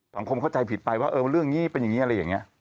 เข้าใจผิดไปว่าเออเรื่องนี้เป็นอย่างนี้อะไรอย่างนี้